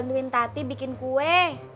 lagi bantuin tati bikin kue